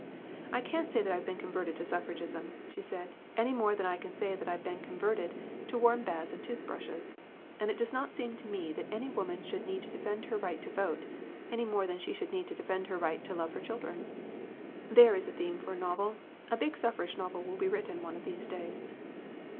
"I can't say that I have been converted to suffragism," she said, "any more than I can say that I have been converted to warm baths and tooth brushes. And it does not seem to me that any women should need to defend her right to vote any more than she should need to defend her right to love her children. There is a theme 30 THE JOYS OF THE POOR for a novel a big suffrage novel will be written one of these days."